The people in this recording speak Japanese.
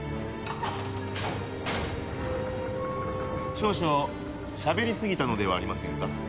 少々しゃべりすぎたのではありませんか？